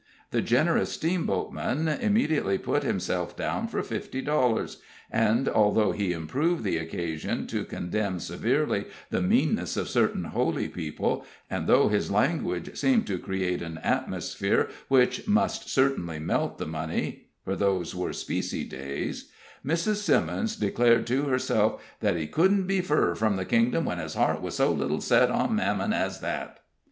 The generous steamboatman immediately put himself down for fifty dollars; and although he improved the occasion to condemn severely the meanness of certain holy people, and though his language seemed to create an atmosphere which must certainly melt the money for those were specie days Mrs. Simmons declared to herself that "he couldn't be fur from the kingdom when his heart was so little set on Mammon as that."